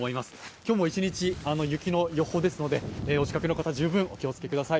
今日も一日、雪の予報ですので、お近くの方、十分お気を付けください。